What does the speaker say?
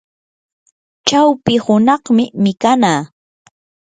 chawpi hunaqmi mikanaa.